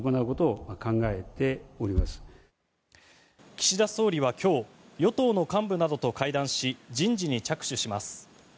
岸田総理は今日与党の幹部などと会談し人事に着手します。